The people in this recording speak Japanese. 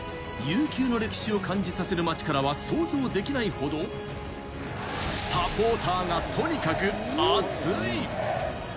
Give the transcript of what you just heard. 悠久の歴史を感じさせる街からは想像できないほどサポーターがとにかく熱い。